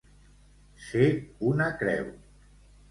Ser una creu.